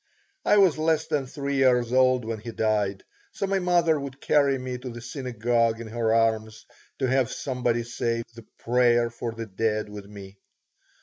I was less than three years old when he died, so my mother would carry me to the synagogue in her arms to have somebody say the Prayer for the Dead with me.